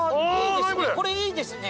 何これ⁉いいですね